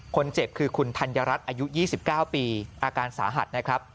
คนเจ็บคือคุณธัญรัฐอายุ๒๙ปีอาการสาหัสนะครับ